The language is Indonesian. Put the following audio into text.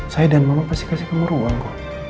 saya dan mama pasti kasih kamu ruang